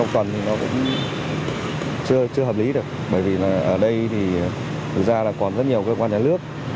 thực ra là còn rất nhiều cơ quan nhà nước